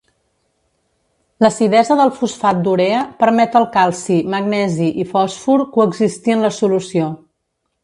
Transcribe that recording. L'acidesa del fosfat d'urea permet al calci, magnesi i fòsfor coexistir en la solució.